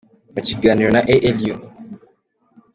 Mu kiganiro na Alu.